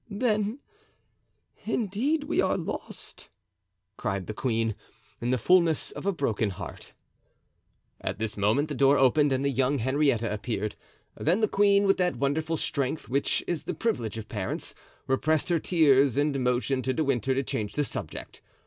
"Then indeed we are lost!" cried the queen, in the fullness of a broken heart. At this moment the door opened and the young Henrietta appeared; then the queen, with that wonderful strength which is the privilege of parents, repressed her tears and motioned to De Winter to change the subject.